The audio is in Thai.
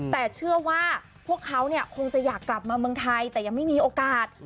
แต่เชื่อว่าพวกเขาเนี่ยคงจะอยากกลับมาเมืองไทยแต่ยังไม่มีโอกาส